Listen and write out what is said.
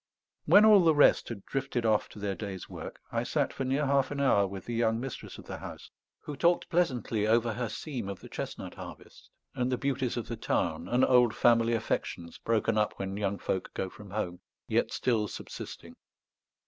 When all the rest had drifted off to their day's work, I sat for near half an hour with the young mistress of the house, who talked pleasantly over her seam of the chestnut harvest, and the beauties of the Tarn, and old family affections, broken up when young folk go from home, yet still subsisting.